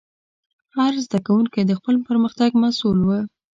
هر زده کوونکی د خپل پرمختګ مسؤل و.